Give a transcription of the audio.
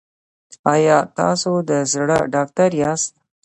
ایا تاسو د زړه ډاکټر یاست؟